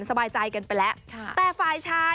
สบายใจกันไปแล้วแต่ฝ่ายชาย